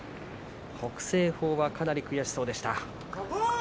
北青鵬は、かなり悔しそうでした。